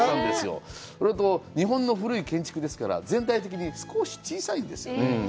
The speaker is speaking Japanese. それと、日本の古い建築ですから、全体的にストレス小さいんですよね。